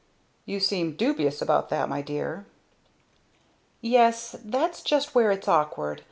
"You seem dubious about that, my dear." "Yes, that's just where it's awkward.